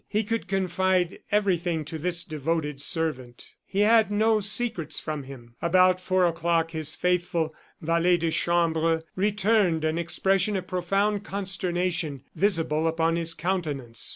He could confide everything to this devoted servant; he had no secrets from him. About four o'clock his faithful valet de chambre returned, an expression of profound consternation visible upon his countenance.